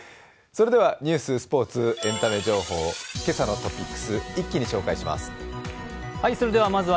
それではニュース、スポーツ、エンタメ情報、今朝のトピックス、一気に紹介します。